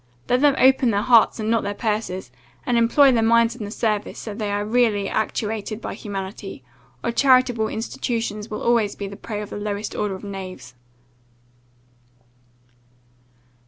Let them open their hearts, and not their purses, and employ their minds in the service, if they are really actuated by humanity; or charitable institutions will always be the prey of the lowest order of knaves."